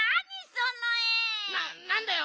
ななんだよ！